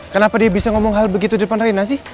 kenapa dia bisa ngomong hal begitu depan rena sih